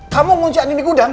kamu munciin andi di gudang